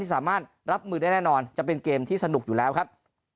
สามารถรับมือได้แน่นอนจะเป็นเกมที่สนุกอยู่แล้วครับ